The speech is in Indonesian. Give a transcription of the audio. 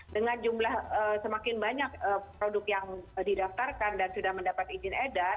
dengan jumlah semakin banyak produk yang didaftarkan dan sudah mendapat izin edar